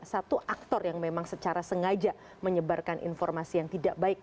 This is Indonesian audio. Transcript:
satu aktor yang memang secara sengaja menyebarkan informasi yang tidak baik